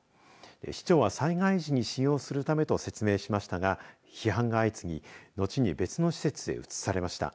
市長は災害時に使用するためと説明しましたが批判が相次ぎ、のちに別の施設へ移されました。